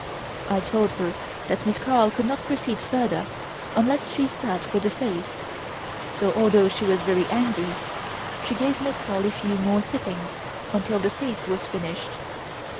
I told her that Miss Carl could not proceed further unless she sat for the face, so, although she was very angry, she gave Miss Carl a few more sittings until the face was finished.